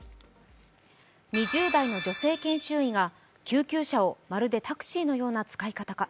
２０代の女性研修医が救急車をまるでタクシーのような扱いか。